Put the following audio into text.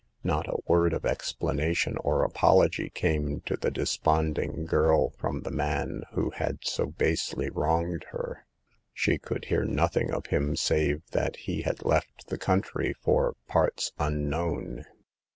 Not a word of explanation or apology came to the despond ing girl from the man who had so basely wronged her. She could hear nothing of him save that he had left the country for « parts unknown."